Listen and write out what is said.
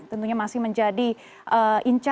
tentunya masih menjadi incaran